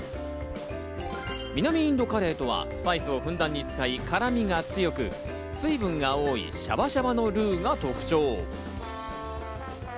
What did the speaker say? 南インドカレーとはスパイスをふんだんに使い、辛味が強く、水分が多いシャバシャバのルウが特徴。